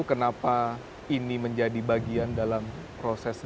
kita misalnya fanc day tapi yang kalaurudahlah bisa